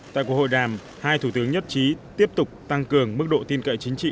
tại cuộc hội đàm hai thủ tướng nhất trí tiếp tục tăng cường mức độ tin cậy chính trị